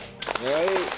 はい。